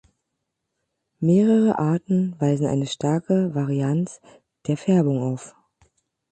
Mehrere Arten weisen eine starke Varianz der Färbung auf.